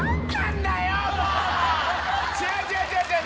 違う違う違う違う！